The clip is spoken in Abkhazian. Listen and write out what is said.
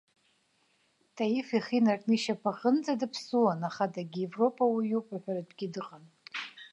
Таиф ихы инаркны ишьапаҟынӡа даԥсыуан, аха дагьевропауаҩуп уҳәартәгьы дыҟан.